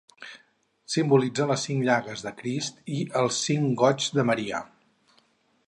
Simbolitza les cinc llagues de Crist i els cinc goigs de Maria.